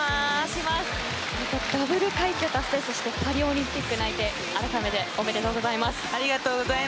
ダブル快挙達成そしてパリオリンピック内定ありがとうございます。